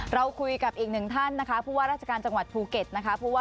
เราคุยกับอีกหนึ่งท่านนะคะราชการจังหวัดภูเกราะห์